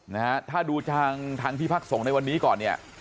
นะฮะถ้าดูทางทางที่พักส่งในวันนี้ก่อนเนี่ย